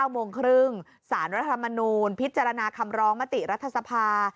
โมงครึ่งสารรัฐธรรมนูลพิจารณาคำร้องมติรัฐสภา